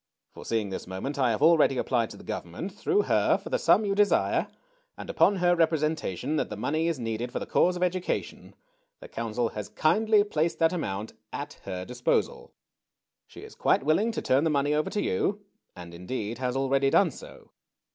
Foreseeing this moment, I have already applied to the Government, through her, for the sum you desire, and upon her representation that the money is needed for the cause of education, the Council has kindly placed that amount at her disposal. She is quite wdlling to turn the money over to you; and, indeed, has already done so.